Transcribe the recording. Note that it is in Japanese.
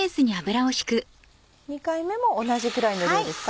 ２回目も同じくらいの量ですか？